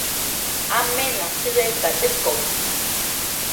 Amena tɨeka dɨkoɨsite